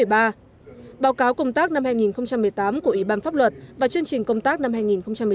báo cáo công tác năm hai nghìn một mươi tám của ủy ban pháp luật và chương trình công tác năm hai nghìn một mươi chín